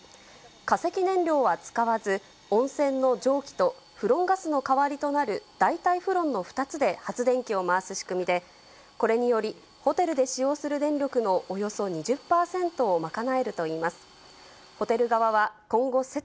化石燃料は使わず、温泉の蒸気とフロンガスの代わりとなる代替フロンの２つで発電機を回す仕組みで、これにより、ホテルで使用する電力のおよそ全国の皆さん、こんばんは。